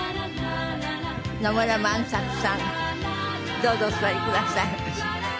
どうぞお座りください。